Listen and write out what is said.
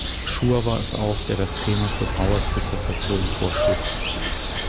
Schur war es auch, der das Thema für Brauers Dissertation vorschlug.